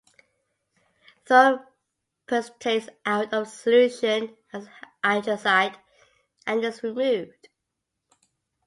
Thorium precipitates out of solution as hydroxide and is removed.